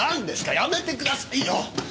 やめてくださいよ！